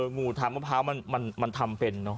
งูทางมะพร้าวมันทำเป็นเนอะ